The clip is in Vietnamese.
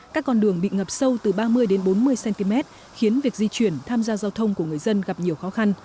các con đường bị ngập sâu từ ba mươi đến bốn mươi cm khiến việc di chuyển tham gia giao thông của người dân gặp nhiều khó khăn